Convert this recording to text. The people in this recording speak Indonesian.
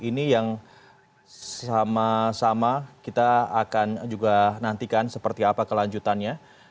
ini yang sama sama kita akan juga nantikan seperti apa kelanjutannya